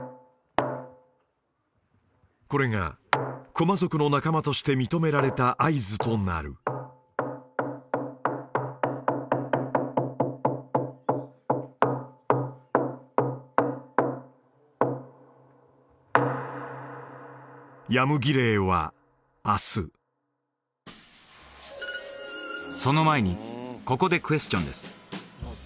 これがクォマ族の仲間として認められた合図となるヤム儀礼は明日その前にここでクエスチョンです